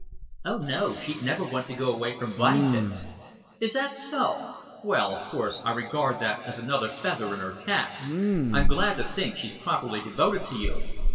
"Oh, no, she'd never want to go away from Vine Pits." "Is that so? Well, of course I regard that as another feather in her cap. I'm glad to think she's properly devoted to you."